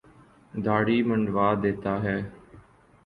داڑھی منڈوا دیتا ہے۔